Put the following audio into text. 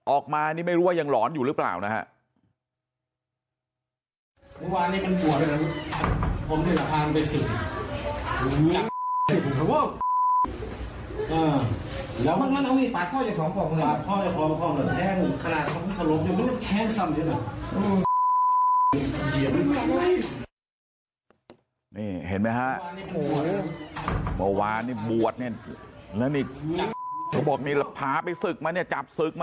ออกมานี่ไม่รู้ว่ายังหลอนอยู่หรือเปล่านะฮะ